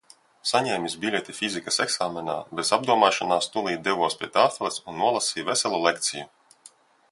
Saņēmis biļeti fizikas eksāmenā, bez apdomāšanās, tūlīt devos pie tāfeles un nolasīju veselu lekciju.